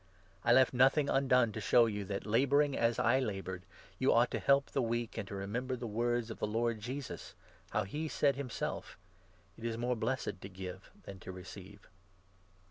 I left nothing undone to show you that, labouring as I 35 laboured, you ought to help the weak, and to remember the words of the Lord Jesus, how he said himself —' It is more blessed to give than to receive.'"